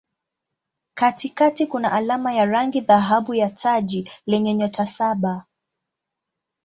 Katikati kuna alama ya rangi dhahabu ya taji lenye nyota saba.